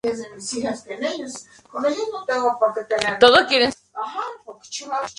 Bold Jack Donohue fue el primero en inspirar baladas sobre el "bush".